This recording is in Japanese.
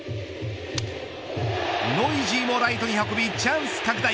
ノイジーもライトに運びチャンス拡大。